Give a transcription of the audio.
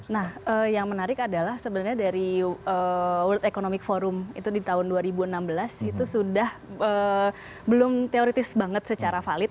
nah yang menarik adalah sebenarnya dari world economic forum itu di tahun dua ribu enam belas itu sudah belum teoritis banget secara valid